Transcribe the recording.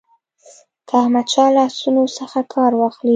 که احمدشاه له آسونو څخه کار واخلي.